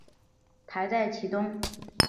台在其东。